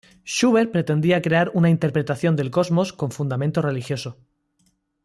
Schubert pretendía crear una interpretación del cosmos con fundamento religioso.